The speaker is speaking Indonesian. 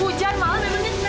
hujan malem emang ini kenapa